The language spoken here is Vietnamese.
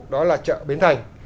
đó là chợ bến thành